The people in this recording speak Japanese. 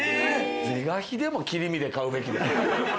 是が非でも切り身で買うべきやね。